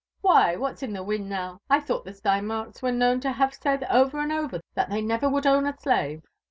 Why, what'a in. the win^ uow? I thought the Steimpiarks yi^e^re k,K¥»wft to have aaidover apd oyer that they never 'WQuW own a slave?'